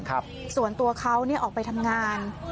ส่วนตัวเขาเนี่ยออกไปทำงาน